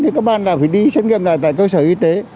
thì các bạn là phải đi xét nghiệm lại tại cơ sở y tế